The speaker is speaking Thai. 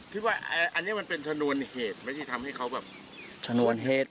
คิดว่าอันนี้มันเป็นชนวนเหตุไหมที่ทำให้เขาแบบชนวนเหตุ